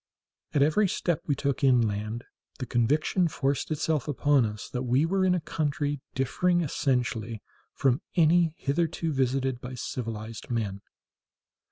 At every step we took inland the conviction forced itself upon us that we were in a country differing essentially from any hitherto visited by civilized men.